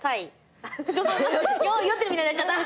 酔ってるみたいになっちゃった。